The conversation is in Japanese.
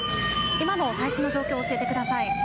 今の最新の状況、教えてください。